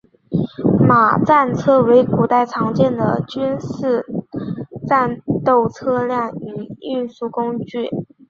马战车为古代常见的军事战斗车辆与运输工具。